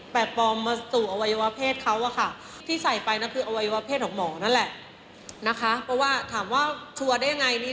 เป็นประเภทของหมอนั่นแหละนะคะเพราะว่าถามว่าชัวร์ได้ยังไง